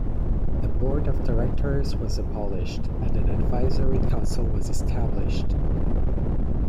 The board of directors was abolished and an advisory council was established.